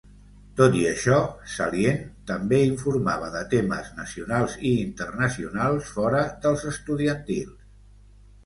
Tot i això, "Salient" també informava de temes nacionals i internacionals fora dels estudiantils.